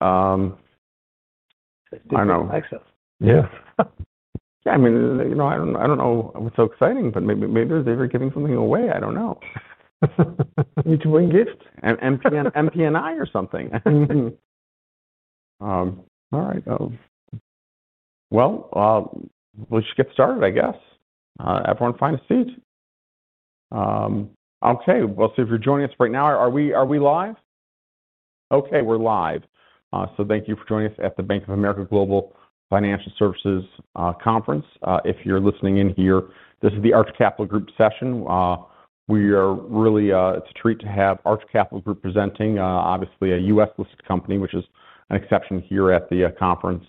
All right. I don't know. Yeah, I mean, I don't know what's so exciting, but maybe they're giving something away. I don't know. A mutual gift. All right. We should get started, I guess. Everyone find a seat. Okay, we'll see if you're joining us right now. Are we live? Okay, we're live. Thank you for joining us at the Bank of America Global Financial Services Conference. If you're listening in here, this is the Arch Capital Group session. It is really, it's a treat to have Arch Capital Group presenting, obviously a U.S.-listed company, which is an exception here at the conference.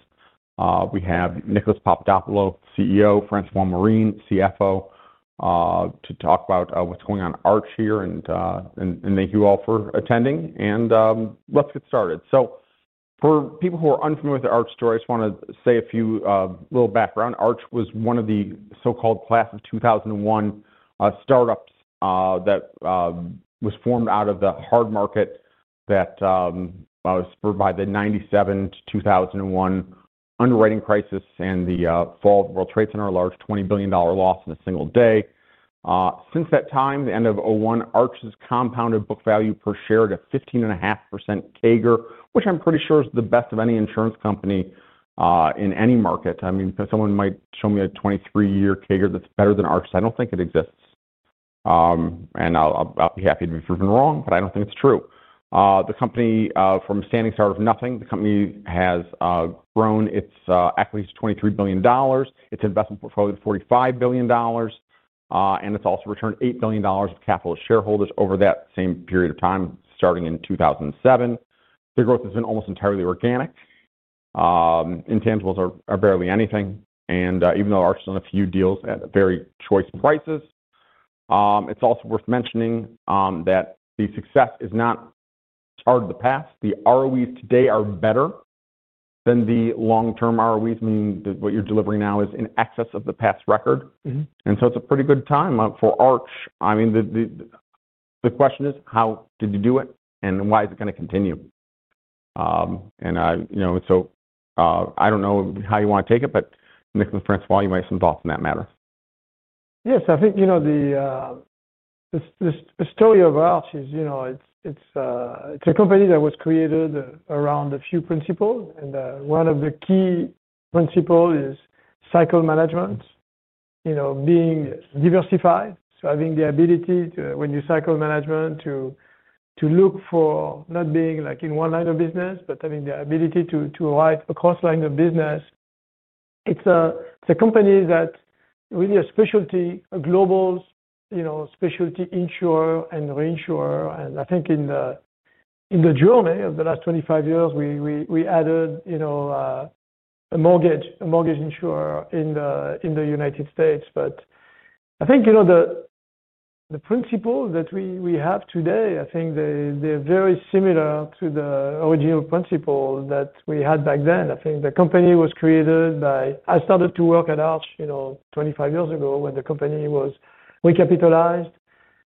We have Nicolas Papadopoulo, CEO, and François Morin, CFO, to talk about what's going on at Arch here. Thank you all for attending. Let's get started. For people who are unfamiliar with the Arch story, I just want to say a few little background. Arch was one of the so-called class of 2001 startups that was formed out of the hard market that was by the 1997 to 2001 underwriting crisis and the fall of the World Trade Center, a large $20 billion loss in a single day. Since that time, the end of 2001, Arch's compounded book value per share at a 15.5% CAGR, which I'm pretty sure is the best of any insurance company in any market. I mean, because someone might show me a 23-year CAGR that's better than Arch's, I don't think it exists. I'll be happy to be proven wrong, but I don't think it's true. The company from a standing start of nothing, the company has grown its equity to $23 billion, its investment portfolio to $45 billion, and it's also returned $8 billion of capital to shareholders over that same period of time, starting in 2007. The growth has been almost entirely organic. Intangibles are barely anything. Even though Arch has done a few deals at very choice prices, it's also worth mentioning that the success is not part of the past. The ROEs today are better than the long-term ROEs, meaning that what you're delivering now is in excess of the past record. It's a pretty good time for Arch. The question is, how did you do it and why is it going to continue? You know, I don't know how you want to take it, but Nicolas and François, you might have some thoughts on that matter. Yes, I think the story of Arch is, you know, it's a company that was created around a few principles. One of the key principles is cycle management, being diversified. Having the ability, when you cycle management, to look for not being like in one line of business, but having the ability to write across lines of business. It's a company that's really a specialty, a global specialty insurer and reinsurer. I think in the journey of the last 25 years, we added a mortgage insurer in the United States. I think the principles that we have today, I think they're very similar to the original principles that we had back then. The company was created by, I started to work at Arch 25 years ago when the company was recapitalized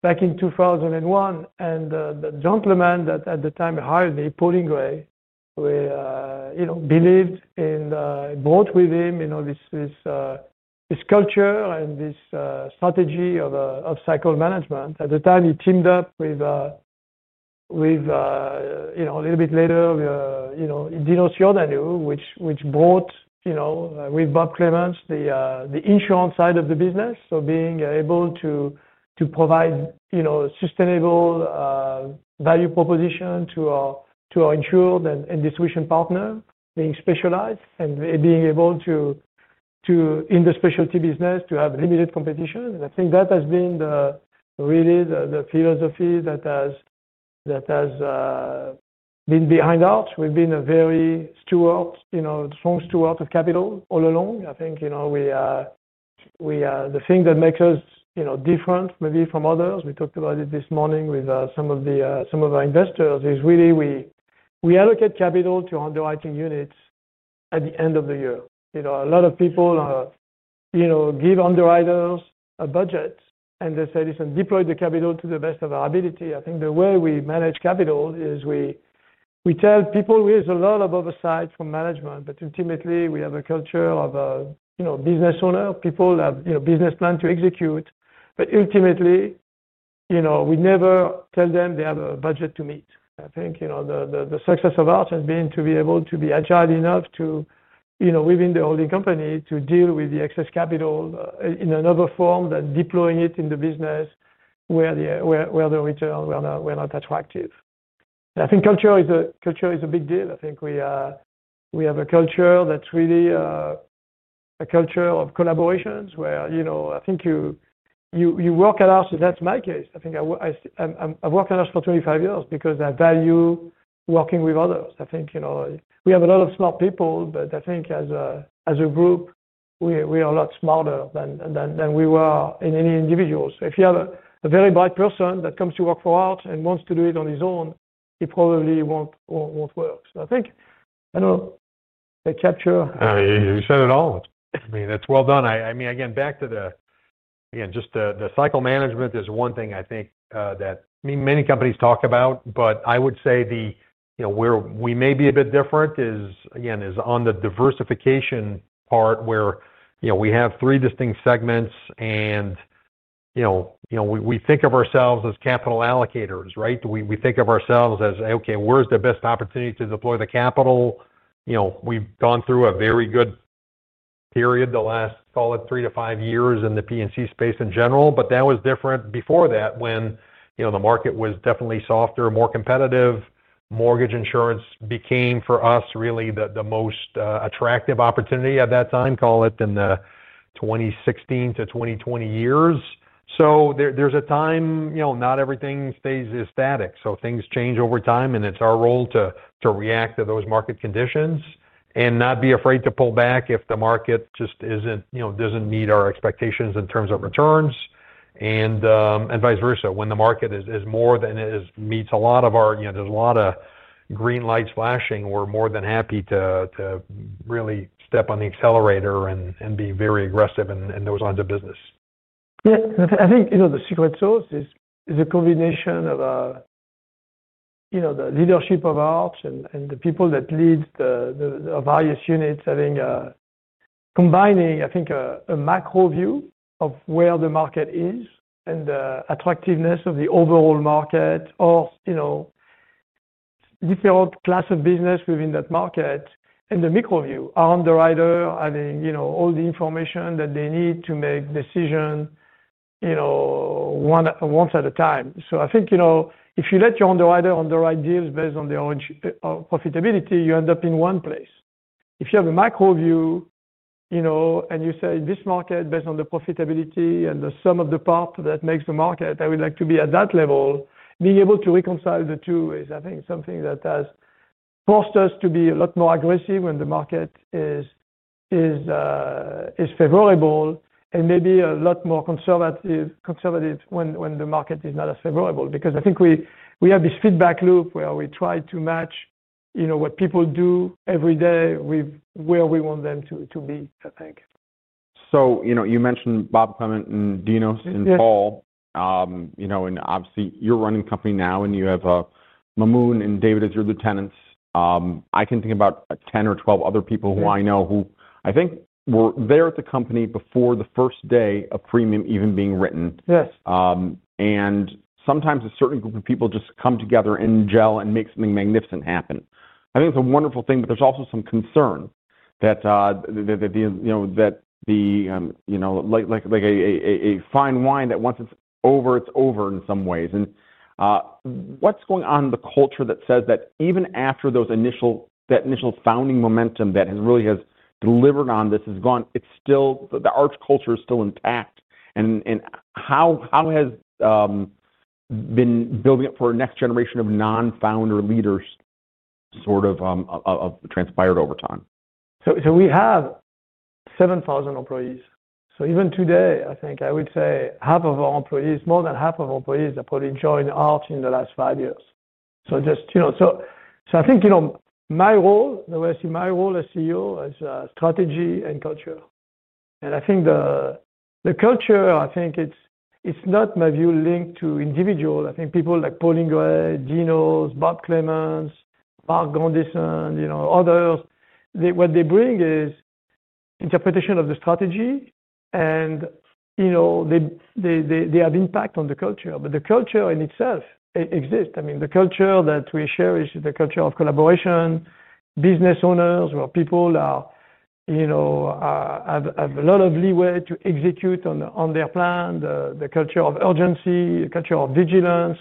back in 2001. The gentleman that at the time hired me, Paul Ingray, who believed and brought with him this culture and this strategy of cycle management. At the time, he teamed up a little bit later with Dino Ciordano, which brought, with Bob Clements, the insurance side of the business. Being able to provide a sustainable value proposition to our insured and distribution partner, being specialized and being able to, in the specialty business, have limited competition. I think that has been really the philosophy that has been behind Arch. We've been a very strong steward of capital all along. I think the thing that makes us different maybe from others, we talked about it this morning with some of our investors. It's really, we allocate capital to underwriting units at the end of the year. A lot of people give underwriters a budget and they say, "Listen, deploy the capital to the best of our ability." I think the way we manage capital is we tell people, "We have a lot of oversight from management, but ultimately we have a culture of a business owner. People have business plans to execute. Ultimately, we never tell them they have a budget to meet." I think the success of Arch has been to be able to be agile enough to, we've been the holding company to deal with the excess capital in another form than deploying it in the business where the returns were not attractive. I think culture is a big deal. I think we have a culture that's really a culture of collaboration where, you know, I think you work at Arch. That's my case. I think I've worked at Arch for 25 years because I value working with others. I think we have a lot of smart people, but I think as a group, we are a lot smarter than we are as any individual. If you have a very bright person that comes to work for Arch and wants to do it on his own, he probably won't work. I don't know if I capture. You said it all. That's well done. Again, cycle management is one thing I think that many companies talk about. I would say where we may be a bit different is on the diversification part where we have three distinct segments. We think of ourselves as capital allocators, right? We think of ourselves as, okay, where's the best opportunity to deploy the capital? We've gone through a very good period the last, call it, three to five years in the P&C space in general. That was different before that when the market was definitely softer, more competitive. Mortgage insurance became for us really the most attractive opportunity at that time, call it, in the 2016 to 2020 years. There's a time, not everything stays static. Things change over time, and it's our role to react to those market conditions and not be afraid to pull back if the market just isn't, doesn't meet our expectations in terms of returns and vice versa. When the market is more than it meets a lot of our, there's a lot of green lights flashing, we're more than happy to really step on the accelerator and be very aggressive in those lines of business. Yeah, I think the secret sauce is a combination of the leadership of Arch and the people that lead the various units having a combining, I think, a macro view of where the market is and the attractiveness of the overall market or different class of business within that market and the micro view, our underwriter having all the information that they need to make decisions, you know, once at a time. I think if you let your underwriter underwrite deals based on their own profitability, you end up in one place. If you have a macro view, and you say this market based on the profitability and the sum of the part that makes the market, I would like to be at that level, being able to reconcile the two is, I think, something that has forced us to be a lot more aggressive when the market is favorable and maybe a lot more conservative when the market is not as favorable. I think we have this feedback loop where we try to match what people do every day with where we want them to be, I think. You mentioned Bob Clement and Dino and Paul. Obviously you're running the company now and you have Maamoun and David as your lieutenants. I can think about 10 or 12 other people who I know who I think were there at the company before the first day of freemium even being written. Yes. Sometimes a certain group of people just come together and gel and make something magnificent happen. I think it's a wonderful thing, but there's also some concern that, like a fine wine, once it's over, it's over in some ways. What's going on in the culture that says that even after that initial founding momentum that really has delivered on this has gone, the Arch culture is still intact? How has building it for a next generation of non-founder leaders sort of transpired over time? We have 7,000 employees. Even today, I would say more than half of employees have probably joined Arch in the last five years. I think my role, the way I see my role as CEO, is strategy and culture. The culture, it's not in my view linked to individuals. People like Paul Ingray, Dinos, Bob Clements, Marc Grandisson, others, what they bring is interpretation of the strategy. They have impact on the culture, but the culture in itself exists. The culture that we share is the culture of collaboration, business owners where people have a lot of leeway to execute on their plan, the culture of urgency, the culture of vigilance.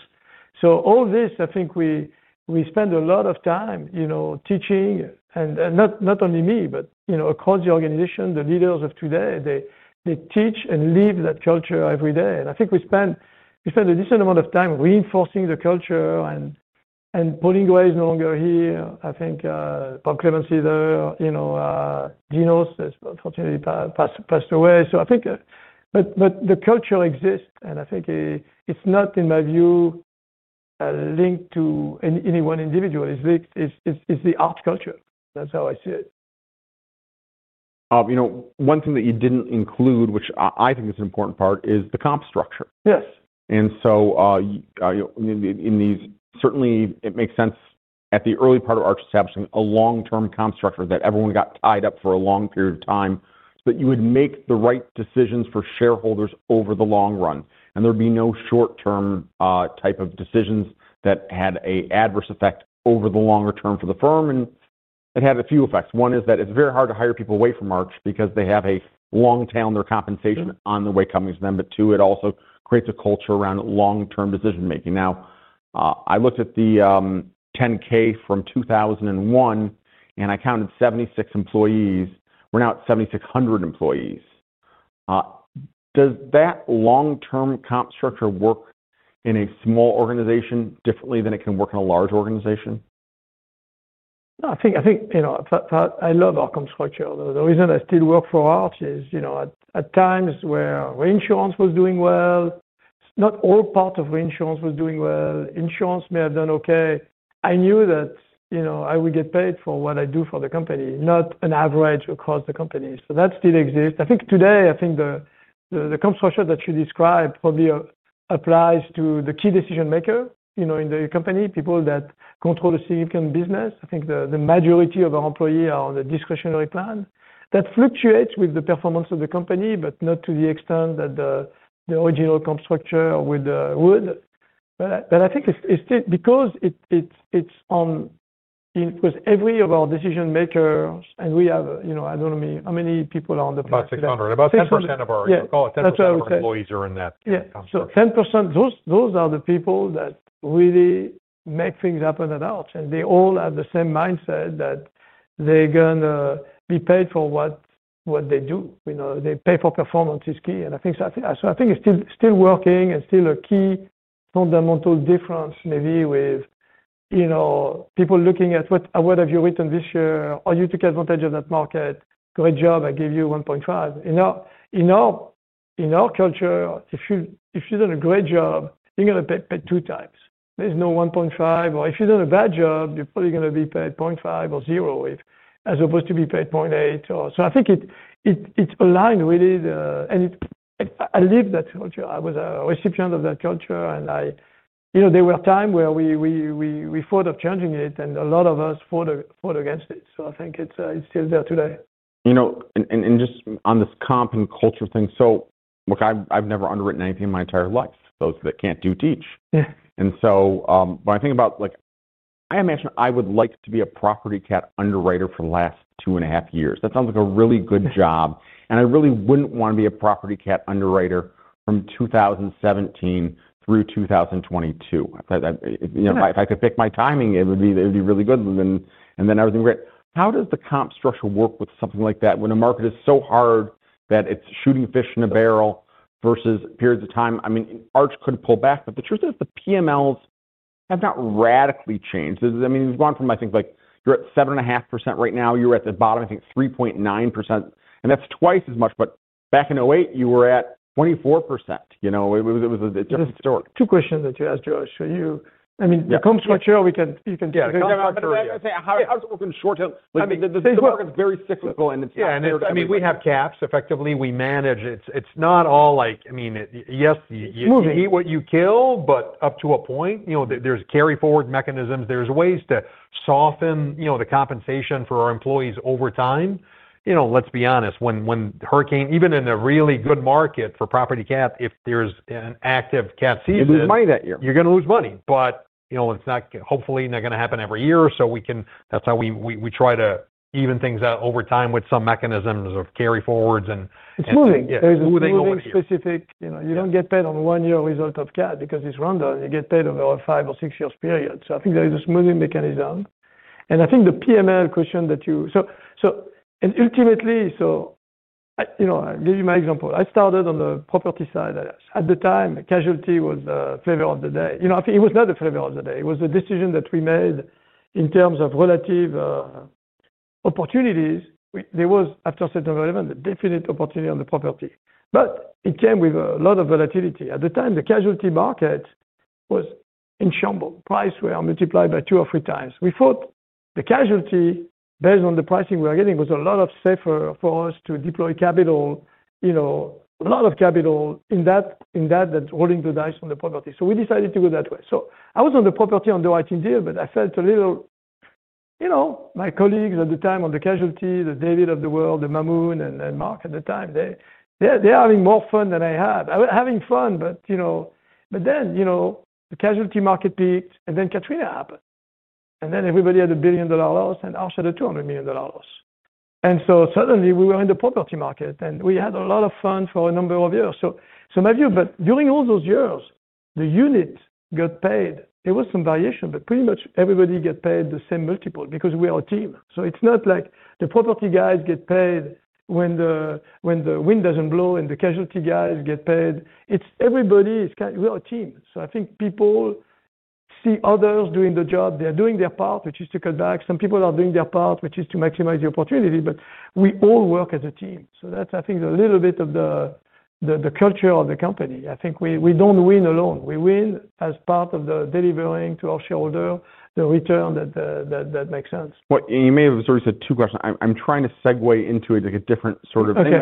We spend a lot of time teaching, and not only me, but across the organization, the leaders of today, they teach and live that culture every day. We spend a decent amount of time reinforcing the culture. Paul Ingray is no longer here. Bob Clements is there. Dinos, unfortunately, passed away. The culture exists. It's not, in my view, linked to any one individual. It's the Arch culture. That's how I see it. One thing that you didn't include, which I think is an important part, is the comp structure. Yes. Certainly, it makes sense at the early part of Arch establishing a long-term comp structure that everyone got tied up for a long period of time so that you would make the right decisions for shareholders over the long run. There would be no short-term type of decisions that had an adverse effect over the longer term for the firm. It had a few effects. One is that it's very hard to hire people away from Arch because they have a long tail on their compensation on the way coming to them. Two, it also creates a culture around long-term decision-making. I looked at the 10-K from 2001 and I counted 76 employees. We're now at 7,600 employees. Does that long-term comp structure work in a small organization differently than it can work in a large organization? I think I love our comp structure. The reason I still work for Arch is at times where reinsurance was doing well, not all part of reinsurance was doing well. Insurance may have done okay. I knew that I would get paid for what I do for the company, not an average across the company. That still exists. I think today the comp structure that you described probably applies to the key decision maker in the company, people that control the silicon business. I think the majority of our employees are on the discretionary plan. That fluctuates with the performance of the company, but not to the extent that the original comp structure would. I think it's still because it's on for every of our decision makers, and we have, I don't know how many people are on the planet. About 600. About 10% of our, yeah, call it 10% of our employees are in that comp structure. 10%—those are the people that really make things happen at Arch. They all have the same mindset that they're going to be paid for what they do. Pay for performance is key. I think it's still working and still a key fundamental difference, maybe with people looking at what have you written this year. Are you taking advantage of that market? Great job. I gave you 1.5. In our culture, if you've done a great job, you're going to get paid two times. There's no 1.5. If you've done a bad job, you're probably going to be paid 0.5 or 0 as opposed to being paid 0.8. I think it's aligned, really. I live that culture. I was a recipient of that culture. There were times where we thought of changing it, and a lot of us fought against it. I think it's still there today. You know, and just on this comp and culture thing. Look, I've never underwritten anything in my entire life. Those that can't do teach. Yeah. When I think about, like, I imagine I would like to be a property CAT underwriter for the last two and a half years. That sounds like a really good job. I really wouldn't want to be a property CAT underwriter from 2017 through 2022. If I could pick my timing, it would be really good, and then everything would be great. How does the comp structure work with something like that when the market is so hard that it's shooting fish in a barrel versus periods of time? I mean, Arch couldn't pull back. The truth is the PMLs have not radically changed. You've gone from, I think, like, you're at 7.5% right now. You were at the bottom, I think, 3.9%. That's twice as much. Back in 2008, you were at 24%. It was a different story. Two questions that you asked, Josh. The comp structure, you can talk about it. I have to say, Arch is open short-term. The market's very cyclical. Yeah, I mean, we have caps. Effectively, we manage. It's not all like, I mean, yes, you eat what you kill, but up to a point. There's carry-forward mechanisms. There's ways to soften the compensation for our employees over time. Let's be honest, when the hurricane, even in a really good market for property CAT, if there's an active CAT season. You lose money that year. You're going to lose money. You know, it's hopefully not going to happen every year. We can, that's how we try to even things out over time with some mechanisms of carry-forwards. It's moving. There is a moving specific, you know, you don't get paid on one-year result of CAT because it's random. You get paid over a five or six-year period. I think there is this moving mechanism. I think the PML question that you, so, and ultimately, you know, I'll give you my example. I started on the property side. At the time, casualty was the flavor of the day. I think it was not the flavor of the day. It was the decision that we made in terms of relative opportunities. There was, after September 11, the definite opportunity on the property. It came with a lot of volatility. At the time, the casualty market was in shambles. Prices were multiplied by two or three times. We thought the casualty, based on the pricing we were getting, was a lot safer for us to deploy capital, you know, a lot of capital in that rolling the dice on the property. We decided to go that way. I was on the property underwriting deal, but I felt a little, you know, my colleagues at the time on the casualty, the David of the world, the Maamoun and Marc at the time, they're having more fun than I had. I was having fun, but, you know, the casualty market peaked and then Catherine Apthorpe. Then everybody had a billion-dollar loss and Arch had a $200 million loss. Suddenly we were in the property market and we had a lot of fun for a number of years. My view, during all those years, the unit got paid. There was some variation, but pretty much everybody got paid the same multiple because we are a team. It's not like the property guys get paid when the wind doesn't blow and the casualty guys get paid. It's everybody, we're a team. I think people see others doing the job. They're doing their part, which is to cut back. Some people are doing their part, which is to maximize the opportunity, but we all work as a team. I think that's a little bit of the culture of the company. I think we don't win alone. We win as part of delivering to our shareholder the return that makes sense. You may have said two questions. I'm trying to segue into a different sort of thing.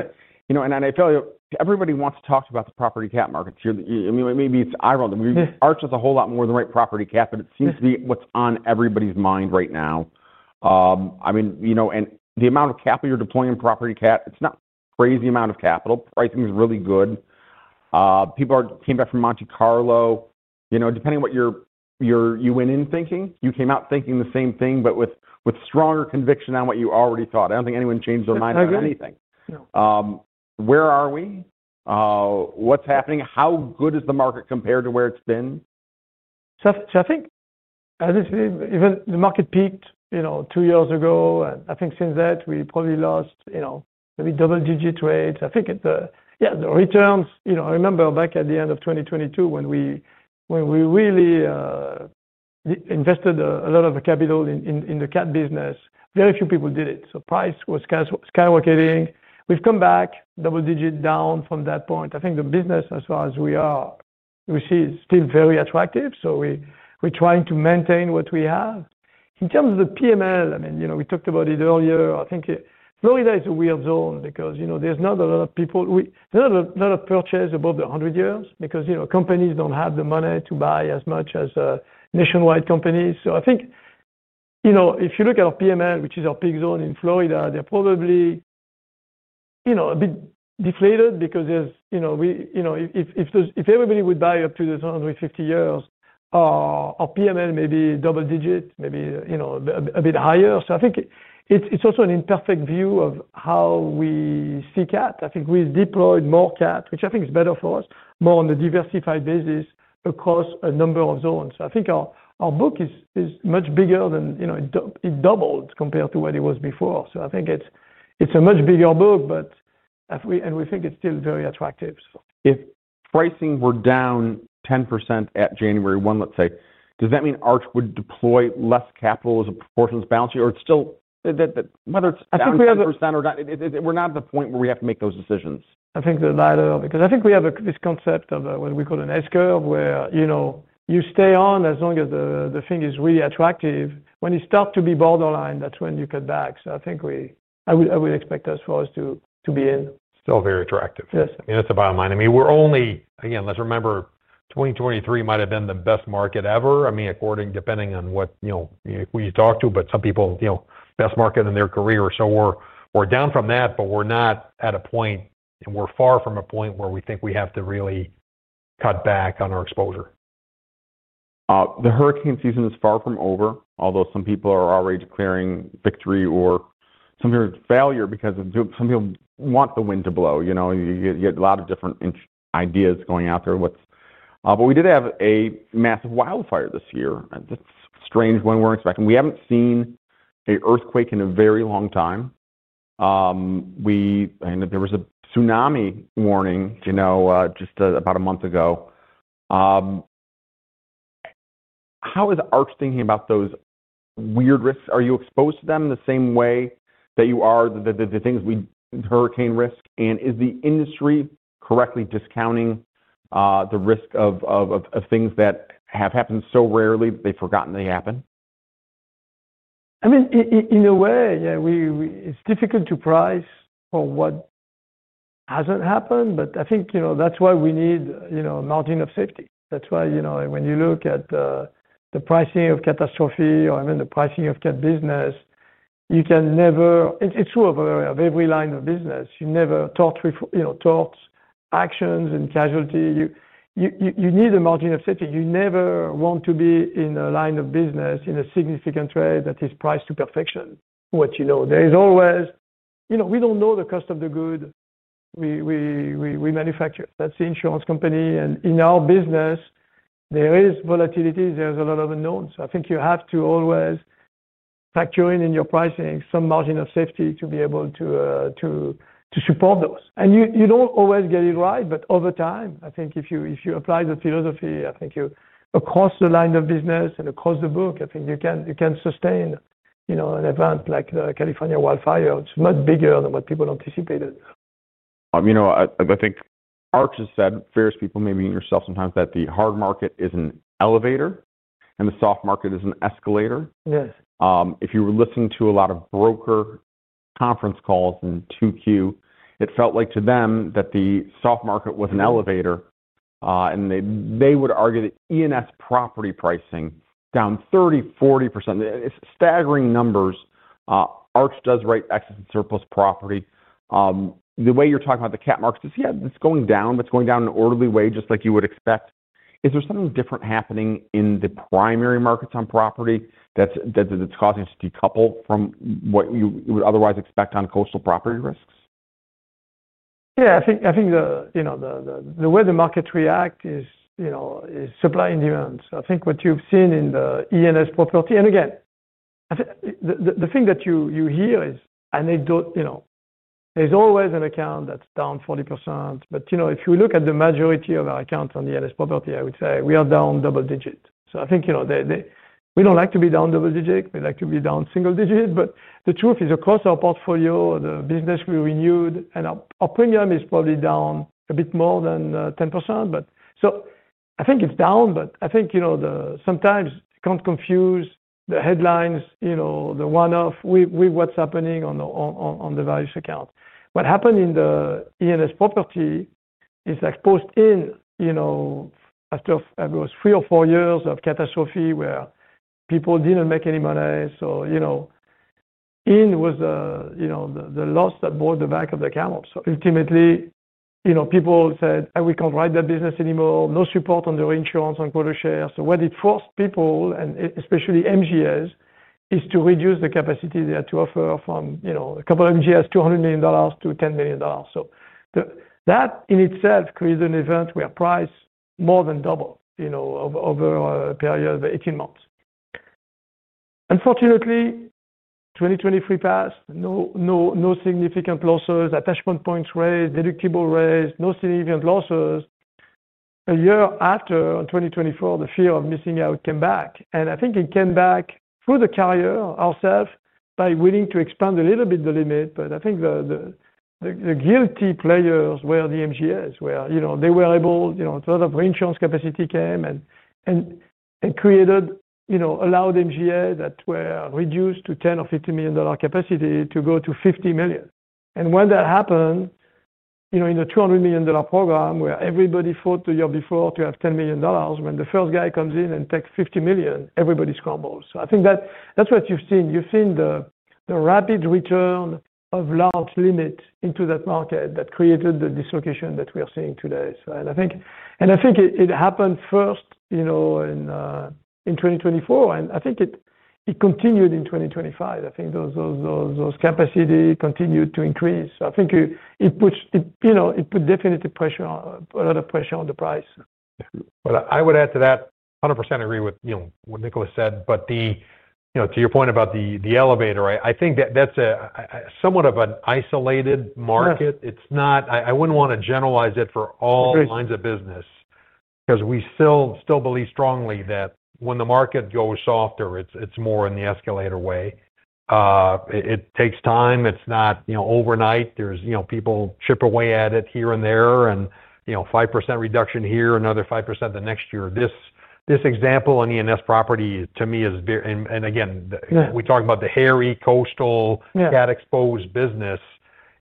You know, I feel like everybody wants to talk about the property CAT market. I mean, maybe it's ironic. Arch has a whole lot more than property CAT, but it seems to be what's on everybody's mind right now. You know, the amount of capital you're deploying in property CAT, it's not a crazy amount of capital. Pricing is really good. People came back from Monte Carlo. Depending on what you went in thinking, you came out thinking the same thing, but with stronger conviction on what you already thought. I don't think anyone changed their mind on anything. Where are we? What's happening? How good is the market compared to where it's been? I think as it's been, even the market peaked, you know, two years ago, and I think since that we probably lost, you know, maybe double-digit rates. I think it, yeah, the returns, you know, I remember back at the end of 2022 when we really invested a lot of capital in the CAT business, very few people did it. Price was skyrocketing. We've come back double-digit down from that point. I think the business, as far as we are, we see it's still very attractive. We're trying to maintain what we have. In terms of the PML, I mean, you know, we talked about it earlier. I think Florida is a weird zone because, you know, there's not a lot of people, there's not a lot of purchase above the 100 years because, you know, companies don't have the money to buy as much as nationwide companies. I think, you know, if you look at our PML, which is our peak zone in Florida, they're probably, you know, a bit deflated because there's, you know, we, you know, if everybody would buy up to the 250 years, our PML may be double-digit, maybe, you know, a bit higher. I think it's also an imperfect view of how we see CAT. We've deployed more CAT, which I think is better for us, more on the diversified basis across a number of zones. I think our book is much bigger than, you know, it doubled compared to what it was before. I think it's a much bigger book, but we think it's still very attractive. If pricing were down 10% at January 1, let's say, does that mean Arch would deploy less capital as a proportion of its balance sheet, or it's still, whether it's 10% or 10%, we're not at the point where we have to make those decisions. I think the latter, because I think we have this concept of what we call an S-curve, where you stay on as long as the thing is really attractive. When you start to be borderline, that's when you cut back. I think I would expect us to be in. Still very attractive. Yes. It's a bottom line. I mean, we're only, again, let's remember 2023 might have been the best market ever. I mean, according, depending on what, you know, who you talk to, but some people, you know, best market in their career. We're down from that, but we're not at a point, and we're far from a point where we think we have to really cut back on our exposure. The hurricane season is far from over, although some people are already declaring victory or some people are declaring failure because some people want the wind to blow. You get a lot of different ideas going out there. We did have a massive wildfire this year. That's strange when we weren't expecting. We haven't seen an earthquake in a very long time. There was a tsunami warning, you know, just about a month ago. How is Arch thinking about those weird risks? Are you exposed to them the same way that you are the things we, hurricane risk? Is the industry correctly discounting the risk of things that have happened so rarely they've forgotten they happened? I mean, in a way, yeah, it's difficult to price for what hasn't happened. I think that's why we need margin of safety. That's why, when you look at the pricing of catastrophe or even the pricing of CAT business, you can never, it's true of every line of business, you never torture actions and casualty. You need a margin of safety. You never want to be in a line of business in a significant trade that is priced to perfection. What you know, there is always, we don't know the cost of the good we manufacture. That's the insurance company. In our business, there is volatility. There's a lot of unknowns. I think you have to always factor in your pricing some margin of safety to be able to support those. You don't always get it right, but over time, I think if you apply the philosophy, across the line of business and across the book, I think you can sustain an event like the California wildfire. It's much bigger than what people anticipated. I mean, you know, I think Arch has said fair to people, maybe yourself sometimes, that the hard market is an elevator and the soft market is an escalator. Yes. If you were listening to a lot of broker conference calls in Q2, it felt like to them that the soft market was an elevator. They would argue that E&S property pricing is down 30%, 40%. It's staggering numbers. Arch does write excess and surplus property. The way you're talking about the CAT markets, yeah, it's going down, but it's going down in an orderly way, just like you would expect. Is there something different happening in the primary markets on property that's causing us to decouple from what you would otherwise expect on coastal property risks? Yeah, I think the way the markets react is supply and demand. I think what you've seen in the E&S property, and again, the thing that you hear is there's always an account that's down 40%. If you look at the majority of our accounts on the E&S property, I would say we are down double digits. We don't like to be down double digits. We like to be down single digits. The truth is across our portfolio, the business we renewed and our premium is probably down a bit more than 10%. I think it's down. Sometimes you can't confuse the headlines, the one-off with what's happening on the values account. What happened in the E&S property is like post-in, after it was three or four years of catastrophe where people didn't make any money. In was the loss that broke the back of the camel. Ultimately, people said, we can't write that business anymore. No support on the reinsurance on quota share. What it forced people, and especially MGAs, is to reduce the capacity they had to offer from a couple of MGAs, $200 million to $10 million. That in itself created an event where price more than doubled over a period of 18 months. Unfortunately, 2023 passed, no significant losses. Attachment points raised, deductible raised, no significant losses. A year after, in 2024, the fear of missing out came back. I think it came back through the carrier ourselves by willing to expand a little bit the limit. I think the guilty players were the MGAs, where they were able, a lot of reinsurance capacity came and created, allowed MGAs that were reduced to $10 million or $50 million capacity to go to $50 million. When that happened, in a $200 million program where everybody fought the year before to have $10 million, when the first guy comes in and takes $50 million, everybody scrambles. I think that's what you've seen. You've seen the rapid return of large limits into that market that created the dislocation that we're seeing today. I think it happened first in 2024. I think it continued in 2025. I think those capacity continued to increase. I think it put definitely a lot of pressure on the price. I would add to that, 100% agree with, you know, what Nicolas Papadopoulo said. To your point about the elevator, I think that that's somewhat of an isolated market. It's not, I wouldn't want to generalize it for all lines of business because we still believe strongly that when the market goes softer, it's more in the escalator way. It takes time. It's not, you know, overnight. There's people chip away at it here and there. You know, 5% reduction here, another 5% the next year. This example on E&S property to me is, and again, we talk about the hairy coastal CAT-exposed business,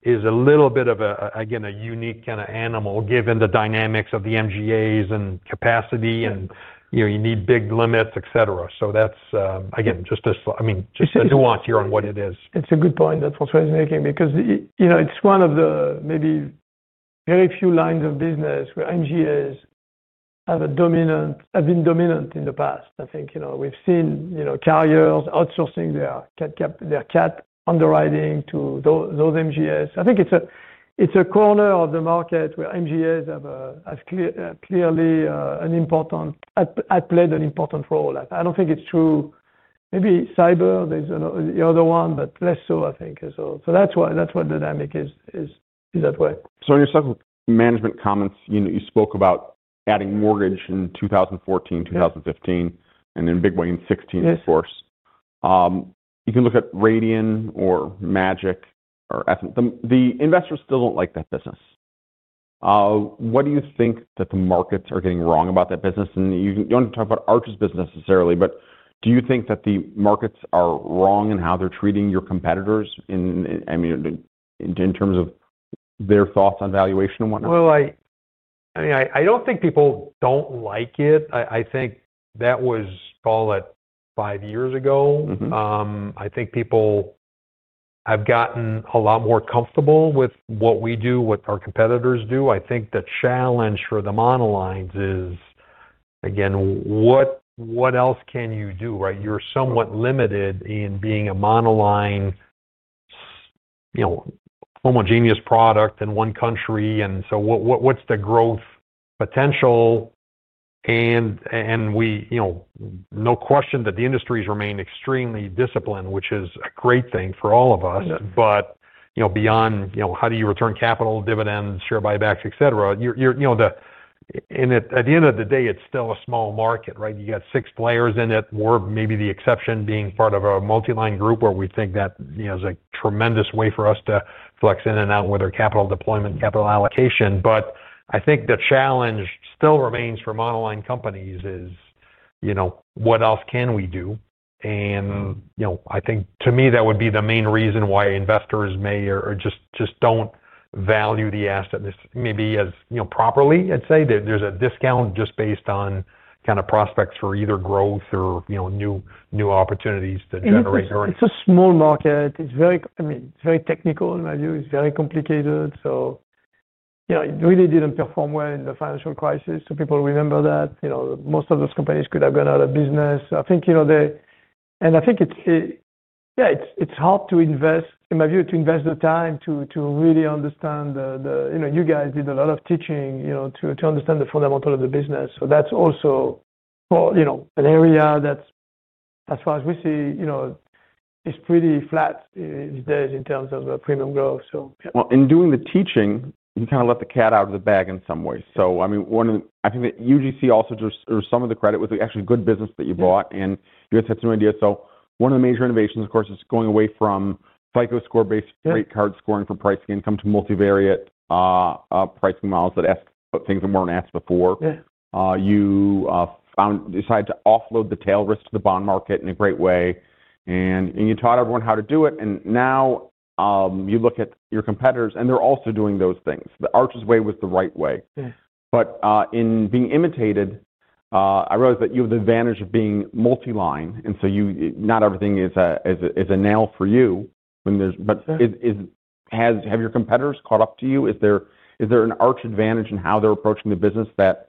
is a little bit of a unique kind of animal given the dynamics of the MGAs and capacity. You need big limits, et cetera. That's just a nuance here on what it is. It's a good point. That's what's resonating because it's one of the maybe very few lines of business where MGAs have been dominant in the past. I think we've seen carriers outsourcing their CAT underwriting to those MGAs. I think it's a corner of the market where MGAs have clearly played an important role. I don't think it's true. Maybe cyber is the other one, but less so, I think. That's why the dynamic is that way. On your cycle management comments, you spoke about adding mortgage insurance in 2014, 2015, and then in a big way in 2016, of course. You can look at Radian or MGIC or Essent. The investors still don't like that business. What do you think that the markets are getting wrong about that business? You don't have to talk about Arch's business necessarily, but do you think that the markets are wrong in how they're treating your competitors in terms of their thoughts on valuation and whatnot? I don't think people don't like it. That was, call it, five years ago. People have gotten a lot more comfortable with what we do, what our competitors do. The challenge for the monolines is, again, what else can you do, right? You're somewhat limited in being a monoline, you know, homogeneous product in one country. What's the growth potential? No question that the industry has remained extremely disciplined, which is a great thing for all of us. Beyond how do you return capital, dividends, share buybacks, et cetera, at the end of the day, it's still a small market, right? You got six players in it. We're maybe the exception being part of a multiline group where we think that is a tremendous way for us to flex in and out with our capital deployment, capital allocation. The challenge still remains for monoline companies: what else can we do? To me, that would be the main reason why investors may or just don't value the asset. This may be, properly, I'd say there's a discount just based on prospects for either growth or new opportunities to generate earnings. It's a small market. It's very, I mean, it's very technical in my view. It's very complicated. It really didn't perform well in the financial crisis. People remember that most of those companies could have gone out of business. I think it's, yeah, it's hard to invest, in my view, to invest the time to really understand the, you know, you guys did a lot of teaching to understand the fundamental of the business. That's also an area that's, as far as we see, pretty flat these days in terms of premium growth. In doing the teaching, you kind of let the cat out of the bag in some ways. I think that UGC also deserves some of the credit with the actually good business that you bought. You guys had some ideas. One of the major innovations, of course, is going away from FICO score-based credit card scoring for pricing income to multivariate pricing models that put things that weren't asked before. You found, decided to offload the tail risk to the bond market in a great way. You taught everyone how to do it. Now you look at your competitors and they're also doing those things. The Arch's way was the right way. In being imitated, I realized that you have the advantage of being multiline. Not everything is a nail for you. Have your competitors caught up to you? Is there an Arch advantage in how they're approaching the business that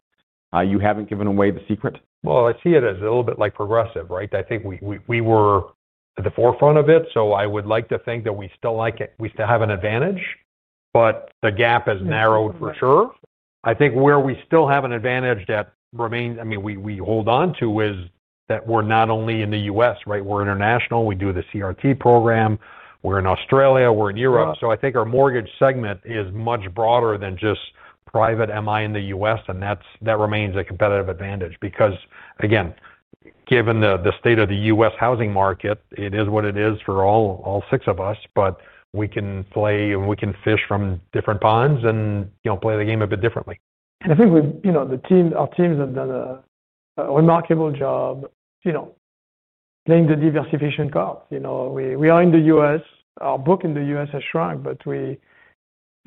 you haven't given away the secret? I see it as a little bit like Progressive, right? I think we were at the forefront of it. I would like to think that we still like it. We still have an advantage, but the gap is narrowed for sure. I think where we still have an advantage that remains, I mean, we hold on to is that we're not only in the U.S., right? We're international. We do the CRT program. We're in Australia. We're in Europe. I think our mortgage segment is much broader than just private. Am I in the U.S.? That remains a competitive advantage because, again, given the state of the U.S. housing market, it is what it is for all six of us. We can play and we can fish from different ponds and, you know, play the game a bit differently. I think the team, our teams have done a remarkable job playing the diversification part. We are in the U.S. Our book in the U.S. has shrunk, but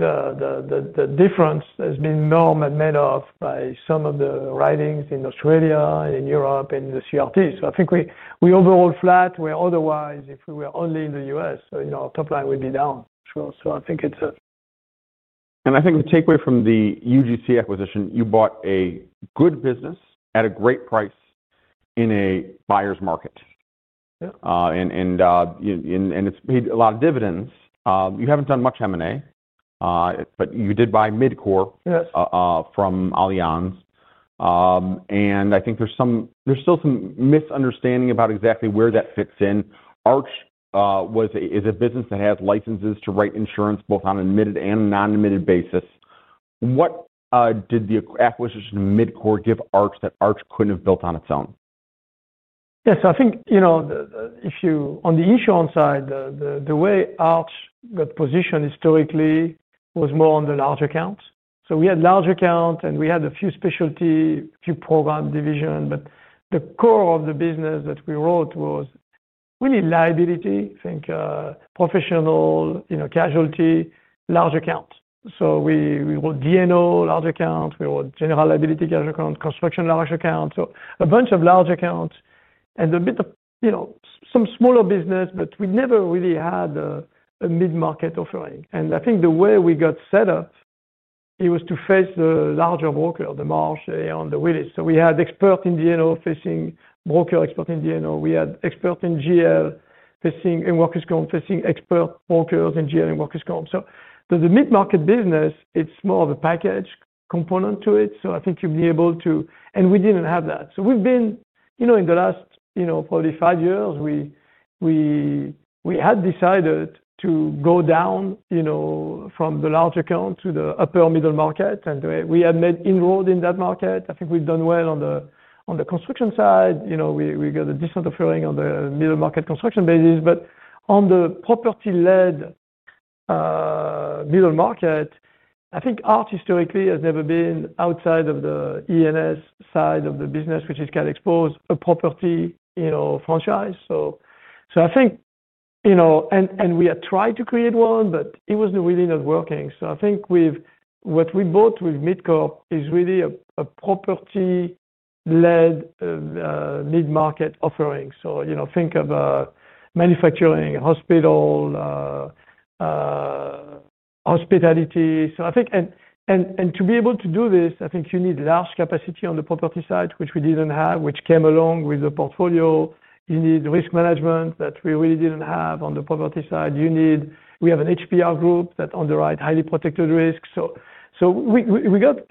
the difference has been normally made up by some of the writings in Australia, in Europe, and in the CRT. I think we are overall flat where otherwise, if we were only in the U.S., our top line would be down. I think it's a. I think the takeaway from the UGC acquisition, you bought a good business at a great price in a buyer's market. Yeah, and it's paid a lot of dividends. You haven't done much M&A, but you did buy MidCorp, yes, from Allianz. I think there's some, there's still some misunderstanding about exactly where that fits in. Arch is a business that has licenses to write insurance both on an admitted and non-admitted basis. What did the acquisition of MidCorp give Arch that Arch couldn't have built on its own? Yeah, so I think, you know, if you, on the insurance side, the way Arch got positioned historically was more on the large accounts. We had large accounts and we had a few specialties, a few program divisions, but the core of the business that we wrote was really liability, I think, professional, you know, casualty, large accounts. We wrote D&O large accounts. We wrote general liability large accounts, construction large accounts. A bunch of large accounts and a bit of, you know, some smaller business, but we never really had a mid-market offering. I think the way we got set up, it was to face the larger broker, the Marsh and the Willis. We had experts in D&O facing broker, experts in D&O. We had experts in GL facing and workers' comp facing expert brokers in GL and workers' comp. The mid-market business, it's more of a package component to it. I think you'd be able to, and we didn't have that. We've been, you know, in the last, you know, probably five years, we had decided to go down, you know, from the large account to the upper middle market. We had made inroads in that market. I think we've done well on the construction side. We got a decent offering on the middle market construction basis. On the property-led mid-market, I think Arch historically has never been outside of the E&S side of the business, which is CAT exposed property, you know, franchise. I think, you know, and we had tried to create one, but it was really not working. With what we bought with MidCorp, it is really a property-led mid-market offering. You know, think of manufacturing, hospital, hospitality. To be able to do this, I think you need large capacity on the property side, which we didn't have, which came along with the portfolio. You need risk management that we really didn't have on the property side. We have an HPR group that underwrites highly protected risks. We got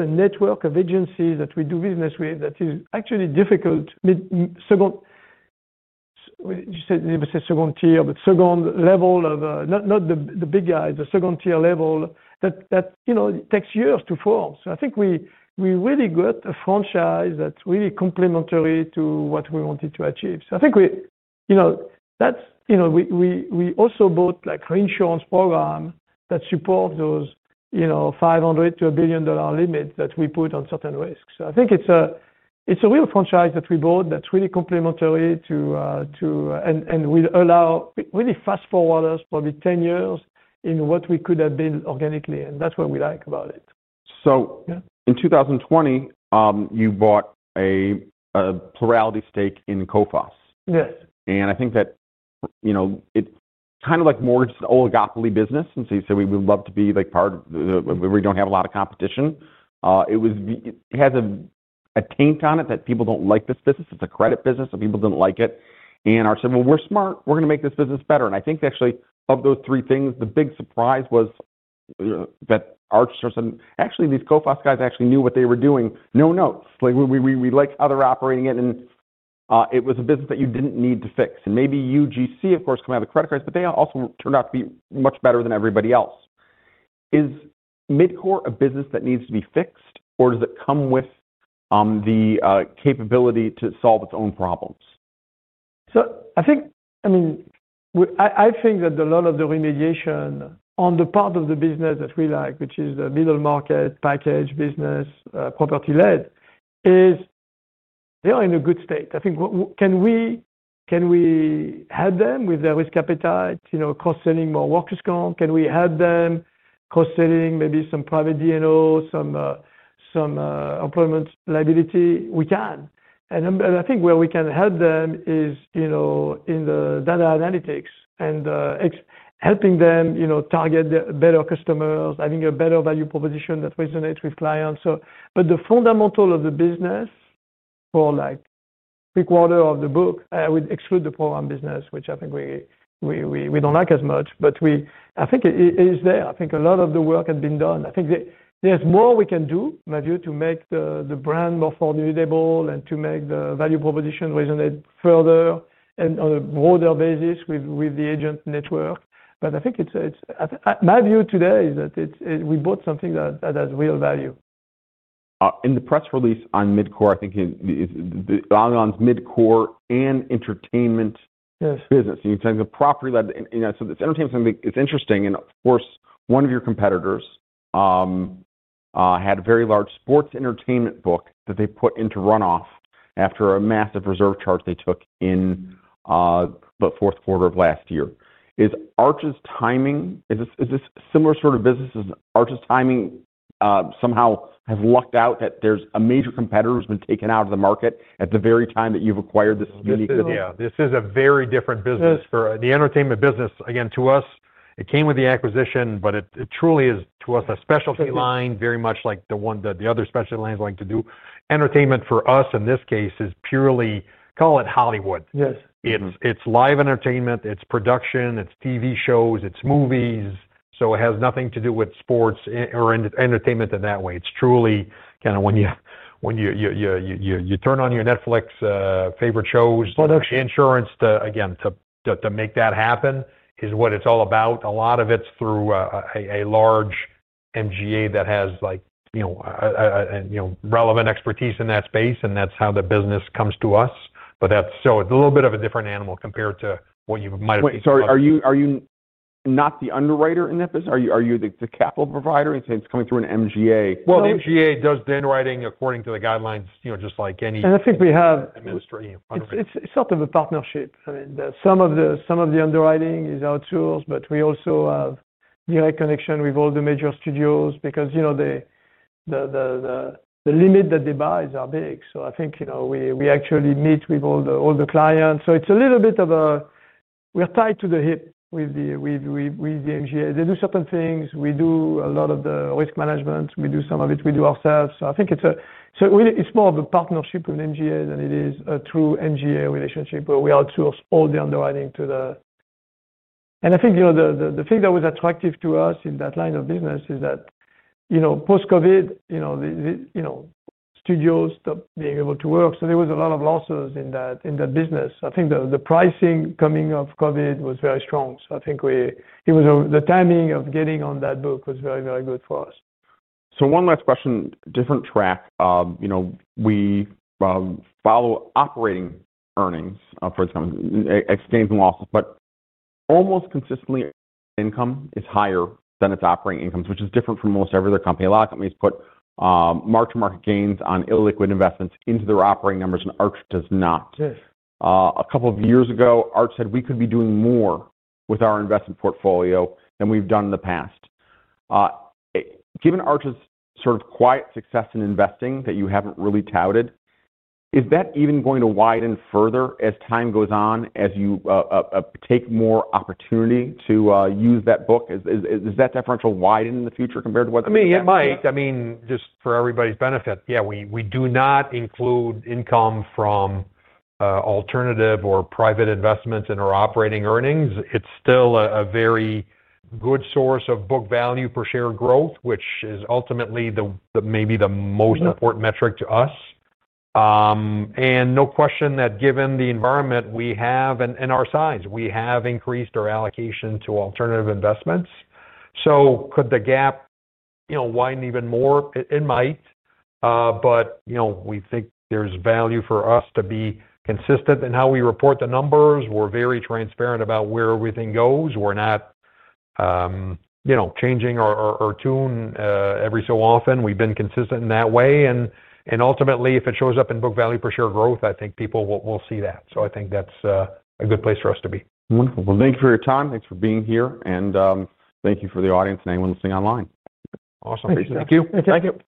a network of agencies that we do business with that is actually difficult. You said they would say second tier, but second level of not the big guys, the second tier level that, you know, takes years to form. I think we really got a franchise that's really complementary to what we wanted to achieve. We also bought like reinsurance programs that support those $500 million to $1 billion limits that we put on certain risks. It's a real franchise that we bought that's really complementary to, to, and will allow really fast forward us probably 10 years in what we could have been organically. That's what we like about it. In 2020, you bought a plurality stake in Coface. Yes. I think that, you know, it's kind of like mortgage oligopoly business. You said we would love to be part of, we don't have a lot of competition. It has a taint on it that people don't like this business. It's a credit business, so people didn't like it. Our say, we're smart. We're going to make this business better. I think actually of those three things, the big surprise was that Arch starts and actually these Cofos guys actually knew what they were doing. No, no. It's like we like how they're operating it. It was a business that you didn't need to fix. Maybe UGC, of course, come out of the credit cards, but they also turned out to be much better than everybody else. Is MidCorp a business that needs to be fixed, or does it come with the capability to solve its own problems? I think that a lot of the remediation on the part of the business that we like, which is the middle market package business, property-led, is they are in a good state. I think we can help them with their risk appetite, cross-selling more workers' comp. We can help them cross-selling maybe some private D&O, some employment liability. We can. I think where we can help them is in the data analytics and helping them target better customers, having a better value proposition that resonates with clients. The fundamental of the business for like a quarter of the book, I would exclude the program business, which I think we don't like as much. I think it is there. A lot of the work had been done. I think there's more we can do, in my view, to make the brand more formidable and to make the value proposition resonate further and on a broader basis with the agent network. My view today is that we bought something that has real value. In the press release on MidCorp, I think it's the Allianz's MidCorp and entertainment business. Yes. You're talking about property-led. The entertainment is interesting. Of course, one of your competitors had a very large sports entertainment book that they put into runoff after a massive reserve charge they took in the fourth quarter of last year. Is Arch's timing, is this a similar sort of business? Is Arch's timing somehow lucked out that there's a major competitor who's been taken out of the market at the very time that you've acquired this unique business? Yeah, this is a very different business. The entertainment business, again, to us, it came with the acquisition, but it truly is to us a specialty line, very much like the one that the other specialty lines like to do. Entertainment for us in this case is purely, call it Hollywood. Yes. It's live entertainment, it's production, it's TV shows, it's movies. It has nothing to do with sports or entertainment in that way. It's truly kind of when you turn on your Netflix favorite shows. Production. Insurance to, again, to make that happen is what it's all about. A lot of it's through a large MGA that has, you know, relevant expertise in that space. That's how the business comes to us, so it's a little bit of a different animal compared to what you might have thought. Sorry, are you not the underwriter in that business? Are you the capital provider? It's coming through an MGA. The MGA does the underwriting according to the guidelines, you know, just like any. I think we have, it's sort of a partnership. Some of the underwriting is outsourced, but we also have direct connection with all the major studios because, you know, the limit that they buy is big. I think we actually meet with all the clients. It's a little bit of a, we're tied to the hip with the MGA. They do certain things. We do a lot of the risk management. We do some of it. We do ourselves. I think it's a, really, it's more of a partnership with MGA than it is a true MGA relationship where we outsource all the underwriting to the, and I think the thing that was attractive to us in that line of business is that, you know, post-COVID, studios stopped being able to work. There was a lot of losses in that business. I think the pricing coming off COVID was very strong. I think it was the timing of getting on that book was very, very good for us. One last question, different track. You know, we follow operating earnings for exchange and losses, but almost consistently, income is higher than its operating incomes, which is different from most every other company. A lot of companies put mark-to-market gains on illiquid investments into their operating numbers, and Arch does not. A couple of years ago, Arch said we could be doing more with our investment portfolio than we've done in the past. Given Arch's sort of quiet success in investing that you haven't really touted, is that even going to widen further as time goes on as you take more opportunity to use that book? Is that differential widened in the future compared to what? It might. Just for everybody's benefit, we do not include income from alternative or private investments in our operating earnings. It's still a very good source of book value per share growth, which is ultimately maybe the most important metric to us. No question that given the environment we have and our size, we have increased our allocation to alternative investments. Could the gap widen even more? It might. We think there's value for us to be consistent in how we report the numbers. We're very transparent about where everything goes. We're not changing our tune every so often. We've been consistent in that way. Ultimately, if it shows up in book value per share growth, I think people will see that. I think that's a good place for us to be. Wonderful. Thank you for your time. Thanks for being here. Thank you for the audience and anyone listening online. Awesome. Thank you. Thank you.